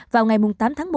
vào ngày tám tháng một